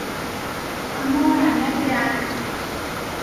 امو ني ھمي ٿراويو